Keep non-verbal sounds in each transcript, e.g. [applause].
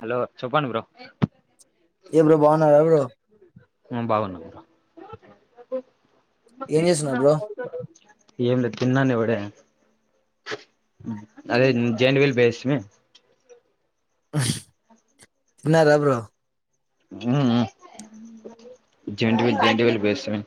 Hello చెప్పండి bro ఏ bro బాగున్నారా బ్రో హ్మ్ బాగున్నా ఏం చేస్తున్నారు బ్రో ఏం లేదు తిన్నానేవడే అదే జెయింట్ విల్ బేయ్యోస్తిమి తిన్నారా బ్రో మ్మ్ మ్మ్ జెయింట్ విల్ జేయిట్ విల్ బెయ్యోస్తిమి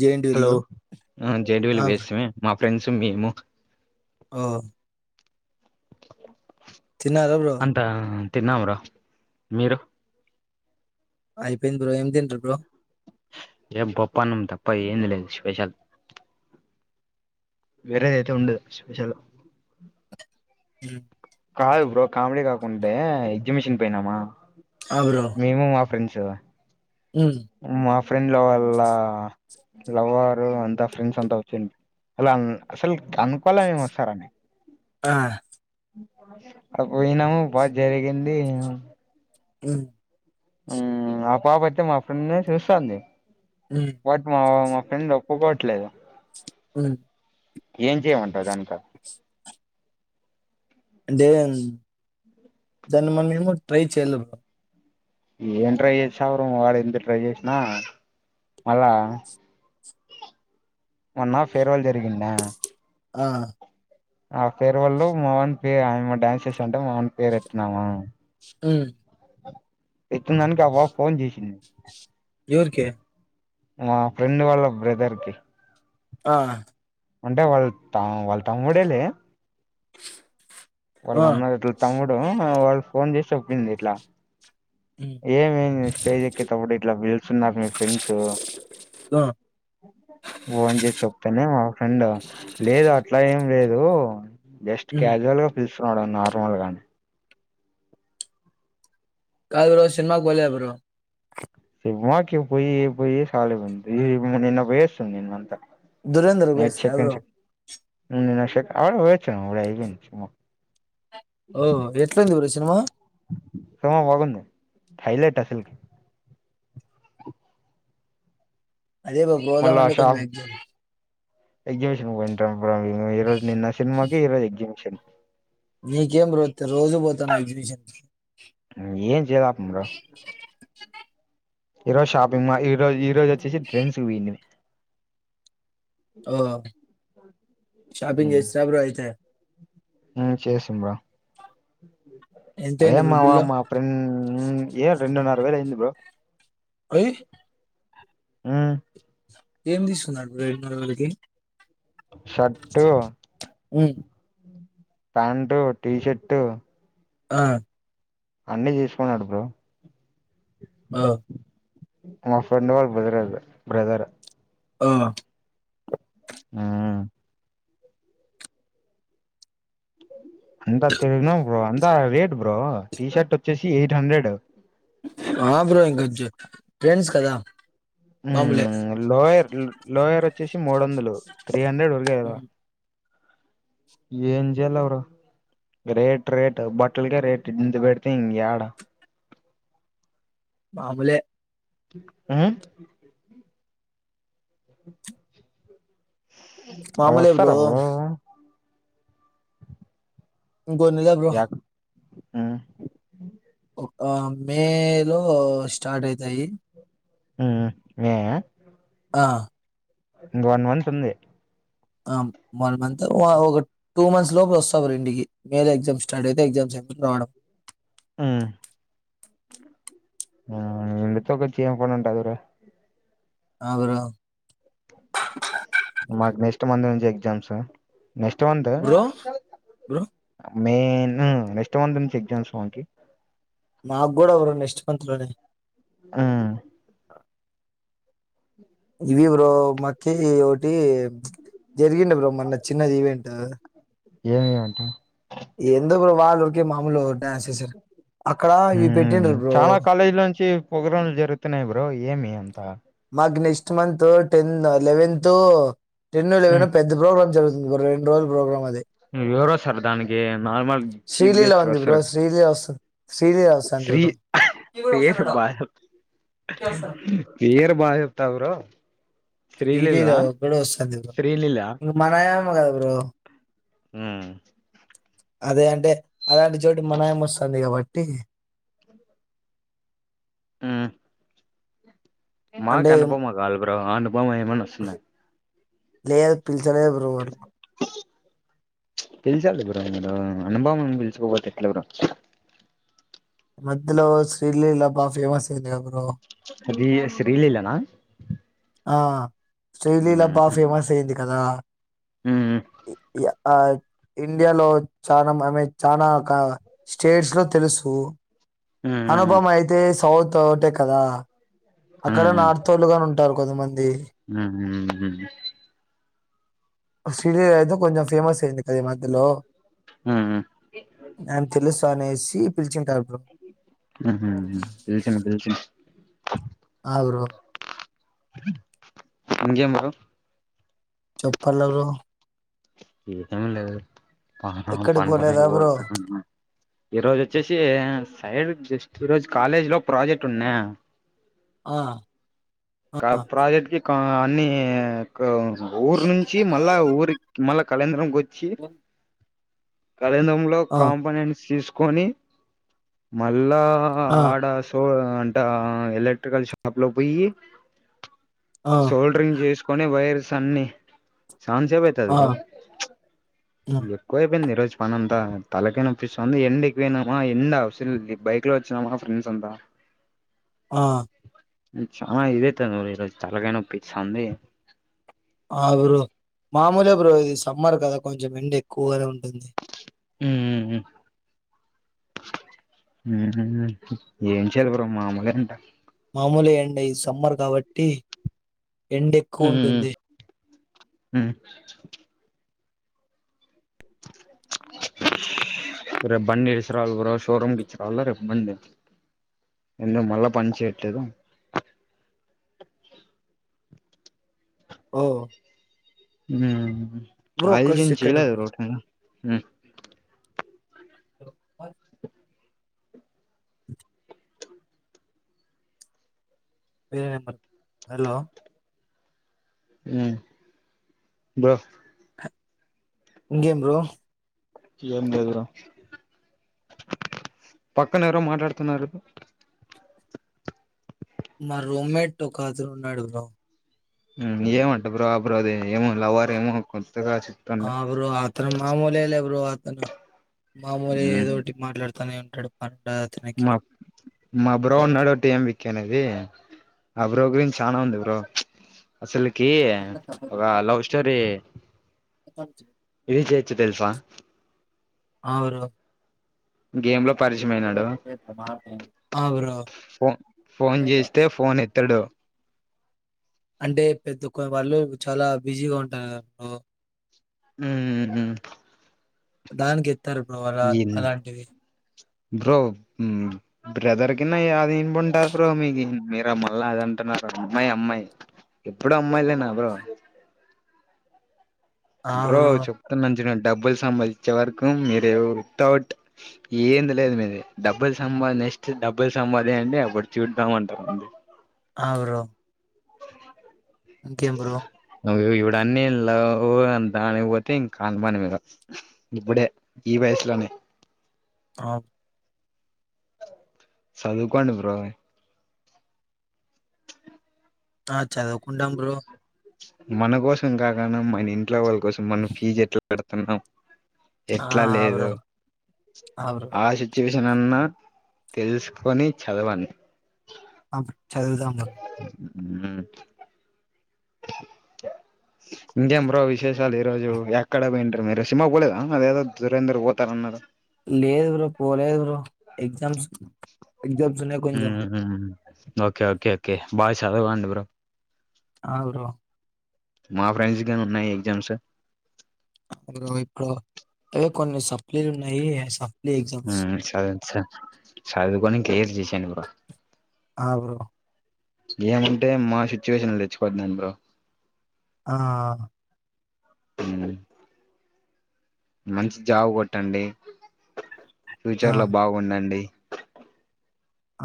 జెయింట్ హలో వీళ్ళు జేయింట్ ఆ విల్ బ్రో బేయ్యోస్తిమి మా ఫ్రెండ్స్ మేము హో తిన్నారా బ్రో తిన్నా బ్రో మీరు అయిపోయింది బ్రో ఏం తింట్రీ బ్రో ఏమ్ పప్పా అన్నం తప్ప ఏంలేదు స్పెషల్ వేరె దైతే ఉండేది స్పెషల్ లు హ్మ్మ్ కాదు బ్రో కామెడీ కాకుంటే ఎగ్జిబిషన్ పోయినామా ఆ బ్రో మేము మా ఫ్రెండ్స్ ఉమ్ మా ఫ్రెండ్ల వాళ్ళ లవరు అంతా ఫ్రెండ్స్ అంతా వచ్చేడి అలా అసలు అనుకోల మేము ఒస్తారు అని ఆ అడా పోయినాము బా జరిగింది హ్మ్ హ్మ్ ఆ పాప అయితే మా ఫ్రెండ్ నే చూస్తాంది ఉమ్ బట్ మా ఏంది ఒప్పుకోట్లేదు అ ఏం చేయమంటావు దానితో అంటే దాన్ని [unintelligible] ఏమో ట్రై చేయలే ఏం ట్రై చేసవరు ఆడ ఎంత ట్రై చేసిన మళ్ళా మన్న ఫేర్ వెల్ జరిగిందా ఆ ఆ ఫేర్వల్ లో మావన్ కి పేరు ఆమె డ్యాన్స చేసింటే అంటే మావన్ పేరు ఎతున్నామ ఉ ఎత్తిదానికి ఆ పాప ఫోన్ చేసింది ఎవరికి మా ఫ్రెండ్ వాళ్ళ బ్రదర్ కి ఆ అంటే వాళ్ త వాళ్ళ తమ్ముడే లే వాళ్ళ ఆ అన్న ఇట్ల తమ్ముడు వాళ్ళు ఫోన్ చేసి చెప్పింది ఇట్లా ఉమ్ ఏమి స్టేజ్ ఎక్కేటప్పుడు ఇట్లా పిలుస్తున్నారు మీ ఫ్రెండ్స్ ఆ ఫోన్ చేసి అతనే మా ఫ్రెండ్ లేదు అట్ల ఏం లేదు జస్ట్ ఉమ్ క్యాజువల్ గా పిలు నార్మల్గనే కాదు ఈరోజు సినిమాకి పో లేద బ్రో సిమాకి పోయి పోయి సాలయిపోయింది నిన్న వయస్తను నన్నను అంతా దురందర్కి పోయిస్త్ర బ్రో [unintelligible] ఓ ఎట్లుంది బ్రో సినిమా హైలెట్ అసలు [unintelligible] ఎక్జిబిషన్ పోయి [unintelligible] నీకేం బ్రో రోజు పోతన ఎక్సిబిషన్ కీ ఏం చేయలేకం బ్రో ఈ రోజు షాపింగ్ మాల్ ఈ రజు ఈ రోజు వచ్చేసి ట్రెండ్స్ కి పోయినమ్ ఓ షాపింగ్ చేస్తార బ్రో ఐతే ఉ చేస్తిమీ బ్రో అదే ఎంతయింది బ్రో మావ బిల్లు మా ఫ్రెండ్ ఏ రెండున్నర వేల అయింది బ్రో హయి ఉ ఏం తీసుకున్నారు బ్రో [unintelligible] షర్టు అ ప్యాంట్ టీషర్ట్ ఆ అన్ని తీసుకున్నాడు బ్రో ఆ మా ఫ్రెండ్ వాళ్ళ [unintelligible] బ్రదర్ ఆ ఆ అంతా బ్రో అంతా రేట్ బ్రో టీ షర్ట్ వచ్చేసి ఎయిట్ హండ్రెడ్ ఆ బ్రో ఇంక ట్రెండ్స్ కదా మామూలే లోయర్ లోయర్ వచ్చేసి మూడు వందలు త్రీ హండ్రెడ్ ఉరికే కదా ఉమ్, ఏంజేయాల్లో బ్రో రేట్ రేట్ బట్టలేకే రేట్ ఇంత ఇంత పెడితే ఇంగ యాడ మాములే ఆ మామూలే అరుస్తర బ్రో [unintelligible] ఇంకొన్నియర్ బ్రో ఆ ఆ మే లో స్టార్ట్ అయితాయి ఆ హ [unintelligible] ఆ ఇంక వన్ మంత్ ఉంది ఆ వన్ మంత్ వ ఒక టూ మంత్స్ లోపు వస్తా బ్రో ఇంటికి మే ల ఎగ్జామ్ స్టార్ట్ అయితే ఎగ్జామ్ [unintelligible] ఆహా ఆ నిండితె ఒక చైన్ కొని ఉంటాది రా అగరా మాకు నెక్స్ట్ మంత్ నుంచి exams next month bro bro main next month నుంచి ఎగ్జామ్స్ మాకి నా గూడా ఒరే నెక్స్ట్ మంత్ లోనే ఆ గివ్ యు బ్రో మాకి ఒ దీ జరిగింది బ్రో మొన్న చిన్నది ఈవెంట్ ఏమి గాట్లే ఎందుకు వాళ్ళు ఊకె మాములు డాన్స్ చేశారు. చాలా కాలేజిలో నుంచి ప్రోగ్రాంలు జరుగుతున్నాయి బ్రో ఏమి అగ్ next month ten eleventh, ten, eleven పెద్ద ప్రోగ్రామ్ జరుగు ఇంగో రెండ్ రోజులు ప్రోగ్రామ్ అది ఎవరోస్తరు దానికి నార్మల్ చీఫ్ శ్రీలీల గెస్ట్ ఉంది బ్రో వస్తరు శ్రీలీల వస్తుంది శ్రీలీల వస్తుంది శ్రీ బ్రో పేరు [unintelligible] బా చెప్తావు బ్రో ఇది శ్రీలీల కాదు ఒక్కడే వస్తది బ్రో శ్రీలీల ఇప్పుడు మనమే ఉన్నాం కదా బ్రో హ్మ్ అదే అంటే అలాంటి చోటు మనయమ్మ వస్తాంది కాబట్టి హ్మ్ మాకు అంటే అనుపమ కాదు బ్రో అనుపమ ఏమన్న వస్తుందని లేద్ పిలిచారు కదా బ్రో చ్ పిలిచారు కదా బ్రో మీరు అనుభావం పిలుచుకోపోతే ఎట్లా బ్రో ఈ మధ్యలో శ్రీలీలా బాగ ఫేమస్ అయింది గ బ్రో అది శ్రీలిలనా ఆ శ్రీలీలా బా ఫేమస్ అయింది కదా య ఆ ఇండియాలో చానం ఆమె చనా క స్టేట్స్ లో తెలుసు అనుభమయితే సౌత్ ఒకోటే కదా అక్కడ నార్త్ తోళ్ళు గని ఉం ఉంటారు కొంతమంది ఉమ్ శ్రీదేవి అయితే కొంచం ఫేమస్ అయ్యింది అది ఈ మధ్యలో ఆయన తెలుసు అనేసి పిలిచి ఆహా పిలిచిన పిలిచిన అగు రో ఏం బ్రో చెప్పాల బ్రో ఏదమి లేదు ప ఎక్కడికి పనుగనే పోలేదా బ్రో? ఈ రోజు వచ్చేసి సైడ్ జస్ట్ ఈ రోజు కాలేజీ లో ప్రాజెక్ట్ ఉన్నా ఆ ఆ! ప్రాజెక్ట్ కి అన్ని ఊరు నుంచి మళ్ళా ఊరి మళ్ళా కళంద్రంకి వచ్చి కళంద్రంలో ఆ! కాంపనెంట్స్ తీసుకొని మ ల్ల ఆ! ఆడ సో అంటే ఎలక్ట్రికల్ షాప్ లో పోయి ఆ! సోల్డ్రింగ్ చేసుకొని వైర్స్ అన్ని సన్ సేబ్ అయితది ఆ! బ్రో హ్మ్. ఎక్కువ అయిపోయింది ఈ రోజు మన అంతా తలకైనాపోస్తాంది ఆ ఎండికి పోయినామా ఎండా అసల్ నీ బైక్ లో వచ్చినామా ఫ్రెండ్స్ అంతా ఆ చాలా ఇదేతంది ఈరోజు తలకైనోపోస్తాంది ఆ బ్రో మామూలే బ్రో ఇది సమ్మర్ కదా కొంచెం ఎండ ఎక్కువగానే ఉంటుంది ఉహ్మ్ ఏం చేయా బ్రో మామూలే అంతా మామూలు ఎండ ఈ సమ్మర్ కాబట్టి ఎండ ఎక్కువ ఉంటుంది ఉమ్ రేపు బండి ఏసురావాలి బ్రో షోరూమ్కి ఇచ్చారుళ్లో రేపు బండి ఎందు మళ్ళా పని చేయట్లేదు ఓ ఆయిలింగ్ చేయలేదా బ్రో రోట హలో ఉమ్ బ్రో ఇంకేం బ్రో ఏం లేదు బ్రో పక్కన ఎవరో మాట్లాడుతున్నారు మా రూమ్ మెట్ ఒకతను ఉన్నారు బ్రో ఏమంటా బ్రో అ బ్రో ది ఏమో లవర్ ఏమో కొత్తగా చెప్తుండు ఆ బ్రో అత్రను మామూలే లే బ్రో అతను మామూలే హ్మ్ ఏదోటి మాట్లాడుతూనే ఉంటాడు పడ అతనికి మా మా బ్రో ఉన్నాడు టీమ్ విక్కీ అనేసి ఆ బ్రో గురించి చనా ఉంది బ్రో అసలకి ఒక లవ్ స్టోరీ తెల్సా ఆ బ్రో ఇంకేం బ్రో పరిచయం అయినాడు ఆ! బ్రో. ఫోన్ ఫోన్ చేస్తే ఫోన్ ఎ త్తడు అంటే పెద్దక్క వాళ్ళు చాలా బిజీగా ఉంటారు హ్మ్ హ్మ్ దానికి ఇత్తరు బవాల అలాంటిది బ్రో ఉ బ్రదర్ కిన్నా యాది పుంటా రు బ్రో మీకి మీర మళ్ళ అదిఅంటున్నారు మా అమ్మాయి ఎప్పుడు అమ్మాయిలే నా బ్రో బ్రో చెప్తాన్న మంచిగాను డబ్బుల్ సంపాదించే వరకు మీరు ఎవ్ విత్ అవుట్ ఏంది లేదు మీది డబ్బులు సంపాది ఫస్ట్ డబ్బులు సంపాదియండి అప్పుడు చూద్దాం అంటారు అవరొ ఇంకేం బ్రో అన్ని లవ్ అని దానికి పోతే ఇంకా కానిపానీ బ్రో ఇప్పుడే ఈ వయసులోనే ఆవ్ చదువుకోండి బ్రో ఆ చదవుకుంటాను బ్రో మన కోసం కాకుండా మన ఇంట్లో వాళ్ళ కోసం మనం పీజ్ ఎట్లా పెడుతుందొ ఆ ఎట్లా ఆ లేదు బ్రో ఆ సిచ్యువే కొంచెం అన్నా తెలుసుకొని చదవండి ఆ చదువుదాములే [inaudible] ఇంకేం బ్రో విశేషాలు ఈ రోజు ఎక్కడ పోయింటిరీ మీరు సినిమా కు పోలేేదా అదేదో దురేందర్ పోతానన్నరు లేదు బ్రో పోలేదు బ్రో ఎగ్జామ్స్ ఎగ్జామ్స్ ఉన్నాయి కొంచెం ఓకే ఓకే ఓకే బాగా చదవండి బ్రొ అవును రా మా ఫ్రెండ్స్ గాని ఉన్నాయి ఎగ్జామ్స్ నువ్వు ఎప్పుడు అవే కొన్ని సప్లీలు ఉన్నాయి సర్ ఉ చదవండి సార్ చదువుకొని కిలియర్ చేసెయండి బ్రొ అబ ఏమంటే మా సిచ్యువేషన్ తెచ్చికొవద్దండి బ్రో ఆ హా హ [inaudible] మంచి జాబ్ కొట్టండి ఆ ఫ్యూచర్ లో బాగుండండి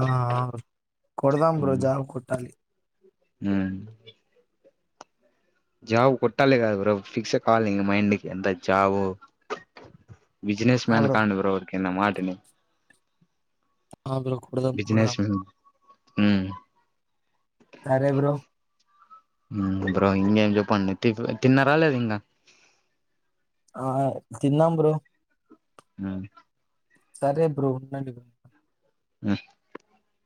ఆ హా హ కొడదాం బ్రొ జాబ్ కొట్టాలి హ్మ్ జాబ్ కొట్టాలి కాదు బ్రొ ఫిక్స్ పొవాలి ఇక మైండ్ కి ఇట్ట జాబ్ బిజినెస్ ఆ మ్యాన్ బ్రో కండి బ్రొ ఉరికే నా మాట విని హ బ్రో కుడదాం కుడదాం హ్మ్ సరే బ్రో బ్రో ఇంగ ఏం చెప్పండి టిప్ తిన్నారా లేద ఇంకా ఆ హా తిన్నాం బ్రో ఆ సరే బ్రు ఉంటా ఆ [unintelligible]